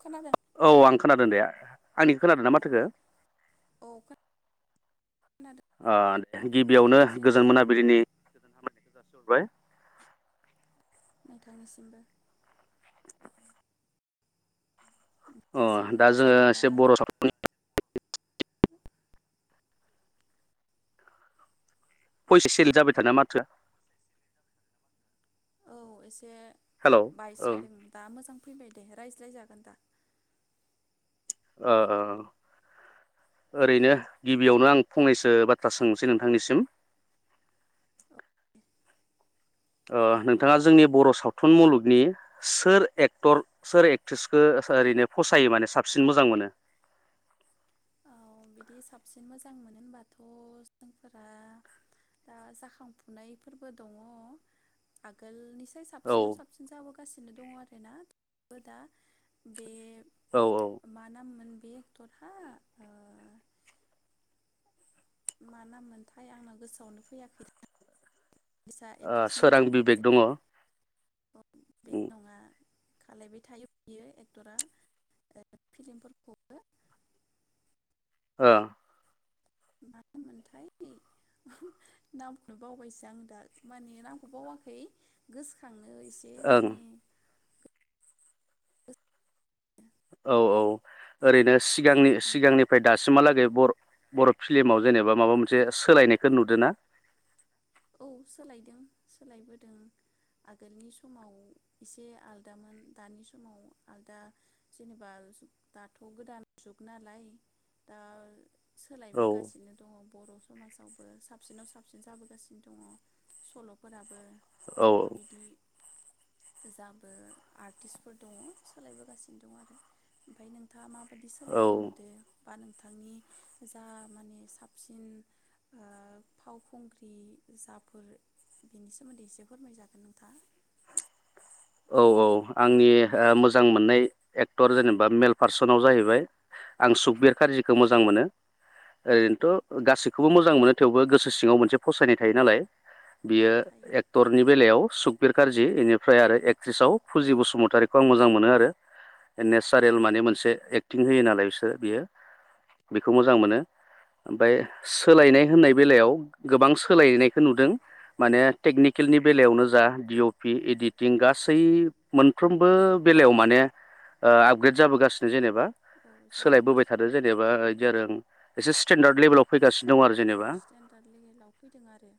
खोनादों औ आं खोनादों दे आंनिखौ खोनादों ना औ माथोखो? दे औ खोनादों ओ ओमफ्राय गिबियावनो जोङो गोजोन जेनेबा मोनाबिलिनि गोजोनहामलायनायखो जासिहरबाय नोंथांनिसिमबो अ ओमफ्राय दा जोङो जेनेबा एसे बर' सावथुननि [unintelligible] सेल जाबाय थादो माथोआ औ एसे हेलौ औ बायस्राादों दा मोजां फैबाय दे रायज्लाय जागोन दा ओ ओ ओ ओरैनो गिबियावनो आं फंनैसो बाथ्रा सोंसै नोंथांनिसिम ओ नोंथाङा जोंनि बर' सावथुन मुलुगनि सोर एक्टर सोर एक्ट्रिसखौ ओरैनो फसायो माने साबसिन मोजां मोनो? औ बिदि साबसिन मोजां मोनो होनबाथ' जोंफोरा दा जाखांफुनायफोरबो दङ आगोलनि औ साबसिनाव साबसिन जाबो सिनो दं आरोना बो दा बे औ ओ मा नाम मोन? बे एकटरहा मा नाम मोनथाय आंनाव गोसोआवनो फैयाखै। बिसा ओ एक्ट्रिस सोरां मोनजों बिबेक दङ। बे ओम। नङा खालायबाय थायो बियो एक्टरा फिल्मफोरखौबो। ओ। मा नाममोनथाय नामखौनो बावबायसो आं दा माने नामखौ बावाखै गोसो खांनो एसे ओं माने [inaudible] औ औ। ओरैनो बिदि सिगांनि आंहा सिगांनिफ्राय दासिमहालागै बर' बर' फिलिमाव जेनेबा माबा मोनसे सोलायनायखौ नुदो ना? औ सोलायदों सोलायबोदों आगोलनि समाव एसे आलदामोन दानि समाव आलदा जेनेबा दाथ' गोदान जुग नालाय दा औ सोलायबोगासिनो दङ बर' समाजावबो साबसिनाव साबसिन जाबो गासिनो दङ सल'फोराबो औ बा बिदि जाबो आर्टिस्टफोर दङ सोलायबोगासिनो दं आरो ओमफ्राय नोंथाङा मा बायदि औ सोलायनाय नुदो बा नों थांनि जा माने साबसिन फावखुंग्रि ग्रि जाफोर बेनि सोमोन्दै एसे फोरमायजागोन नोंथाङा। औ औ आंनि ओ मोजां मोननाय एक्टर जेनेबा मेल पार्सनाव जाहैबाय आं सुकबिर कार्जिखौ मोजां मोनो। ओरैनोथ' गासिखौ बो मोजां मोनो थेवबो गोसो सिङाव मोनसे फसायनाय थायो नालाय। औ बियो थायो एक्टरनि बेलायाव सुकबिर कार्जि इनिफ्राय आरो एक क्ट्रिसाव फुजि बसुमतारिखौ आं मोजां मोनो आरो नेचारेल माने मोनसे एक्टिं होयो नालाय बिसोर बियो बेखौ मोजां मोनो ओमफ्राय सोलायनाय होननाय बेलायाव गोबां सोलायनायखौ नुदों माने टेकनिकेलनि बेलायावनो जा डिअपि इडिटिं गासिबो गासै मोनफ्रोमबो बेलायाव माने ओ आपग्रेद जाबोगासिनो जेनेबा औ सोलायबोबाय थादों जाबोगासिनो जेनेबा इदि आरो। एसे स्टेन्डार्ड लेभेलाव फैगासिनो दं आरो जेनेबा। औ स्टेन्डार्ड लेभेलाव फैदों आरो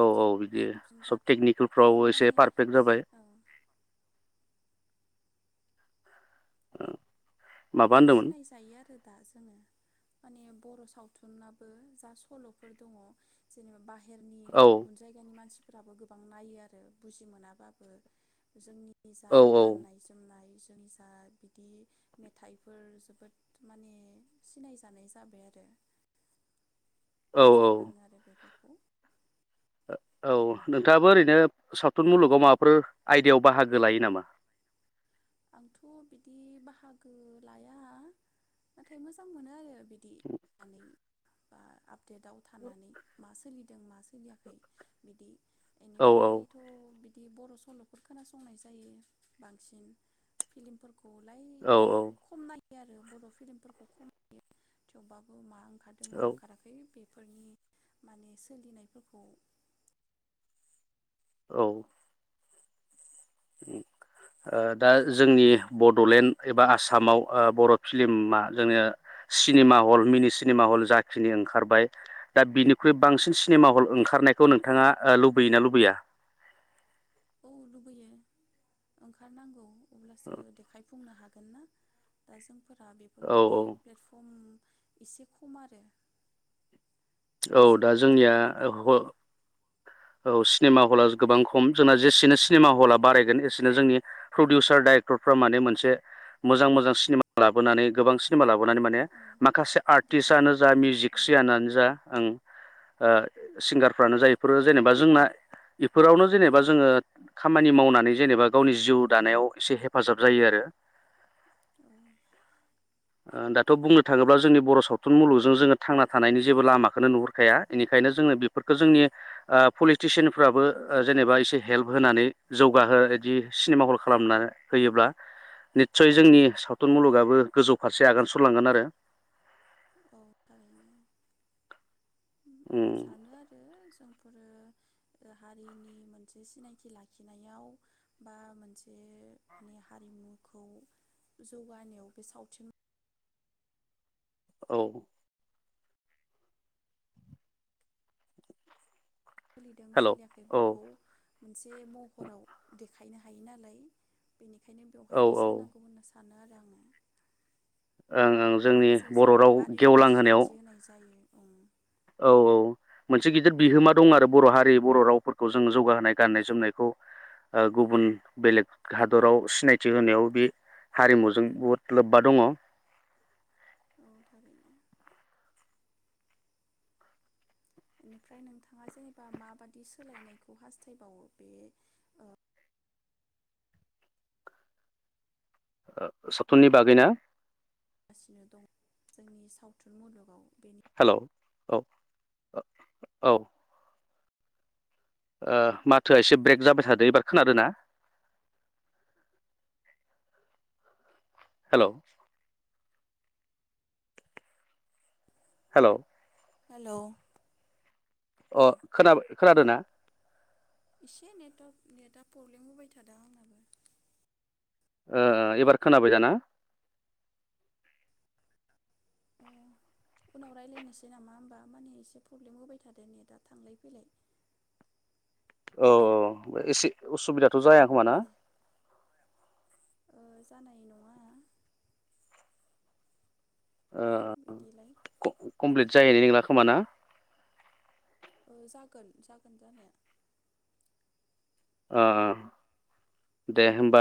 औ औ बिदि साबसिन सब दाथ' गोबां टेकनिकेलफ्राव एसे माने पारफेक्ट जाबाय। औ [unintelligible] माबा गोबां होनदोंमोन सिनाय जायो आरो। दा जोङो माने बर' सावथुनाबो जा सल'फोर दङ जेनेबा बाहे रनि औ गुबुन जायगानि मानसि फोराबो गोबां नायो आरो बुजि मोनाबाबो जोंनि। निजा औ गाननाय जोमनाय। जोंनि जा बिदि मेथाइफोर जोबोद माने सिनायजानाय जाबाय आरो। औ मोजां औ नाङो आरो बेफोर। औ नोंथाङाबो ओरैनो सावथुन मुलुगाव माबाफोर आयदायाव बाहागो लायो नामा? आंथ' बिदि बाहागो लाया नाथाय मोजां मोनो आरो। बिदि [unintelligible] डेटआव थानानै मा सोलिदों मा सोलियाखै बिदि औ बेनिफ्रायथ' बिदि बिदि बर' सल'फोर खोनासंनाय जायो बांसिन। फिलम गलाय औ खमनाय आरो बर' फिल्मफोरखौ खमायो थेवबाबो मा ओंखारदों मा औ ओंखाराखै। बेफोरनि माने सोलिनायफोरखौ औ। दा जोंनि बड'लेण्ड एबा आसामाव बर' फिलिमा जोंनो सिनेमा हल मिनि सिनेमा हल जाखिनि ओंखारबाय दा बिनिख्रुइ औ बांसिन सिनेमा हल ओंखारनायखौ नोंथाङा लुबैय ना लुबैया? औ लुबैयो ओंखारनांगौ। अब्लासो देखायफुंनो हागोन। द। फोर औ बेफोरबादि प्लेटफर्म। एसे खम आरो औ एसे दा खम जोंनिया। जानानै दङ आरो औ सिनेमा हला गोबां खम जोंना जेसेनो सिनेमा हला बारायगोन। एसेनो जोंनि प्रडिउसार डाइरेक्टरफ्रा माने मोनसे मोजां मोजां सिनेमा लाबोनानै गोबां सिनेमा लाबो नानै माने, औ माखासे आर्टिस्टनो जा देखायफुंनो औ मिउजिकसियानानो जा ओ। सिंगारफ्रानो जायफोर जेनेबा जोंना बेफोरावनो जेनेबा जोङो खामानि मावनानै जेनेबा गावनि जिउ दानायाव एसे हेफाजाब जायो आरो। औ दाथ' बुंनो थाङोब्ला जोंनि बर' सावथुन मुलुगजों जोङो थांना थानायनि जेबो लामाखौनो नुहुरखाया, बेनिखायनो जोङो बेफोरखौ जोंनि पलिटिसियानफ्राबो जेनेबा एसे हेल्प होनानै जौगाहो औ बिदि सिनेमा हल खालामना होयोब्ला निस्सय औ जोंनि सावथुन मुलुगाबो गोजौ। फारसे आगान सुरलांगोन आरो। औ थारैनो। आं सानो आरो जों बेफोरो हारिनि मोनसे सिनायथि लाखिनायाव बा मोनसे माने हारिमुखौ जौगानायाव बे सावथुन औ सोलिदों हेल' औ सोलियाखै औ बेखौ मोनसे महराव दे खायनो हायो नालाय। बेनिखायनो औ बेवहाय गोसो होनांगौ होनना सानो आरो आङो। ओं ओं बेनि जोंनि बर' गेजेरजों राव हारिखौ गेवलां होनायाव। सिनायथि होनाय जायो औ औ औ मोनसे गिदिर बिहोमा दं आरो बर' हारि बर' रावफोरखौ जो जौगाहोनाय गाननाय जोमनायखौ ओ औ गुबुन बेलेग हादराव सिनायथि होनायाव बे हारिमुजों बुहुद लोब्बा दङ। औ थारैनो। बेनिफ्राय नोंथाङा जेनेबा माबादि सोलायनायखौ हास्थायबावो बे ओ ओ सावथुननि बागै ना? गासिनो दं जोंनि सावथुन मुलुगाव। बेनि हेल औ औ ओ माथोआ एसे ब्रेक जाबाय थादो एबार खोनादो ना? हेल हेल हेल अ खोना खोनादो ना? इसे नेटवारक नेटआ प्रब्लेम होबाय थादों आंनाबो। ओ ओ एबार खोनाबाय दाना? अ उनाव रायलायनोसै नामा होमबा माने एसे प्रब्लेम होबाय थादों नेटआ थांलाय फैलाय। औ औ एसे असुबिदा। थ जाया खोमा ना? दे ओ जानाय नङा? ओ बिदिलाय कम कमप्लिट जाहैनाय नंला खोमा ना? ओ जागोन जागोन जानाया। ओ ओ दे होमबा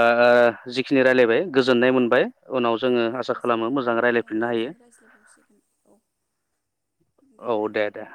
जिखिनि रायलायबाय गोजोननाय मोनबाय। उनाव जोङो औ आसा खालामो गोजोननाय मोनबाय मोजाङै उननि रायलायफिननो आयदायाव हायो जों रायज्लायबावसिगोन औ औ दे दे।